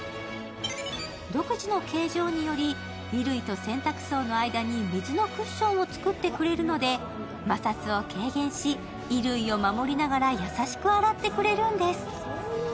独自の形状により衣類と洗濯槽の間に水のクッションを作ってくれるので摩擦を軽減し衣類を守りながら優しく洗ってくれるんです。